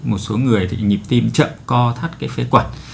một số người thì nhịp tim chậm co thắt cái phế quản